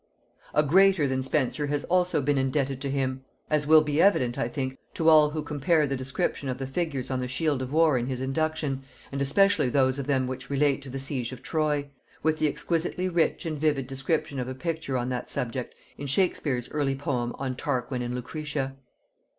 A greater than Spenser has also been indebted to him; as will be evident, I think, to all who compare the description of the figures on the shield of war in his Induction, and especially those of them which relate to the siege of Troy, with the exquisitely rich and vivid description of a picture on that subject in Shakespeare's early poem on Tarquin and Lucretia.